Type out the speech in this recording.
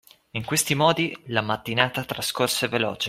In questi modi, la mattinata trascorse veloce